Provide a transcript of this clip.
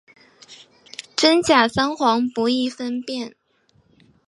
真假桑黄不易分辨。